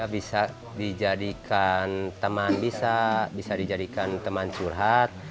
bisa dijadikan teman bisa bisa dijadikan teman curhat